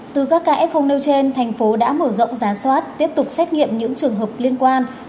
từ các kf nêu trên thành phố đã mở rộng giá soát tiếp tục xét nghiệm những trường hợp liên quan